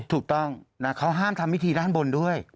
ถูกต้องนะเค้าห้ามทำวิธีบนด้วย